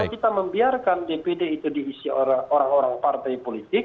kalau kita membiarkan dpd itu diisi orang orang partai politik